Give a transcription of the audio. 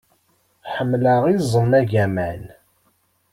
Ḥemmleɣ iẓem agaman.